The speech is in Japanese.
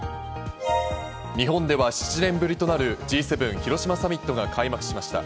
日本では７年ぶりとなるＧ７広島サミットが開幕しました。